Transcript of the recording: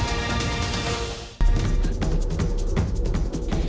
ก็ธรรมนี่